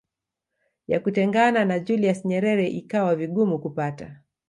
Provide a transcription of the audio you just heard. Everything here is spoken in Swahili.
ya kutengana na Julius Nyerere ikawa vigumu kupata